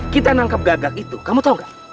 kita nangkap gagak itu kamu tau gak